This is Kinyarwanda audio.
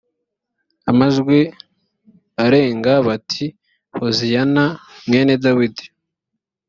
amajwi arenga bati “hoziyana mwene dawidi..”